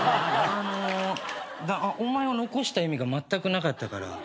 お前を残した意味がまったくなかったから。